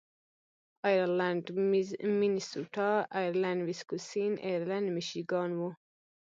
ایرلنډ مینیسوټا، ایرلنډ ویسکوسین، ایرلنډ میشیګان و.